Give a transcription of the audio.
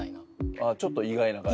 ああちょっと意外な感じ？